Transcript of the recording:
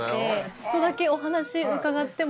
ちょっとだけお話伺っても？